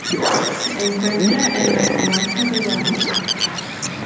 Se encuentra en la comarca de Babia.